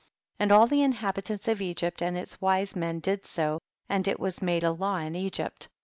29. And all the inhabitants of Egypt and its wise men did so, and it was made a law in Egypt.